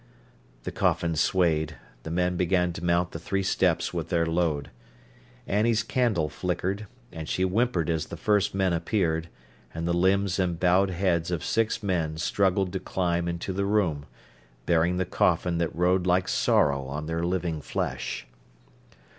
The coffin swayed, the men began to mount the three steps with their load. Annie's candle flickered, and she whimpered as the first men appeared, and the limbs and bowed heads of six men struggled to climb into the room, bearing the coffin that rode like sorrow on their living flesh.